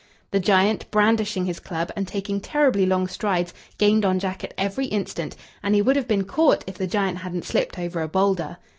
The giant, brandishing his club, and taking terribly long strides, gained on Jack at every instant, and he would have been caught if the giant hadn't slipped over a boulder.